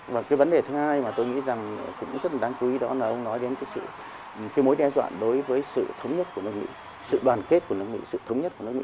và vấn đề thứ hai mà tôi nghĩ rất đáng chú ý đó là ông nói đến mối đe dọa đối với sự thống nhất của nước mỹ sự đoàn kết của nước mỹ sự thống nhất của nước mỹ